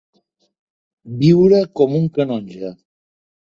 Viure com un canonge.